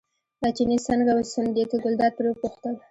دا چيني څنګه وسونګېد، ګلداد پرې وپوښتل.